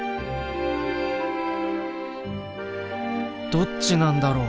どっちなんだろう？